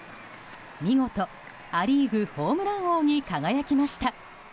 見事、ア・リーグホームラン王に輝きました。